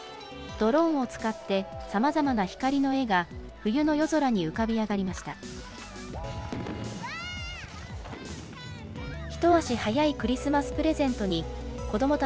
ドローンを使ってさまざまな光の絵が、冬の夜空に浮かび上がりました。